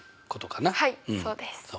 はいそうです。